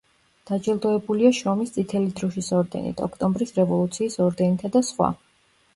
დაჯილდოებულია შრომის წითელი დროშის ორდენით, ოქტომბრის რევოლუციის ორდენითა და სხვა.